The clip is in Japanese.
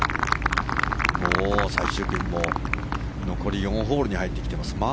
もう最終組も残り４ホールに入ってきています。